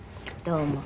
どうも。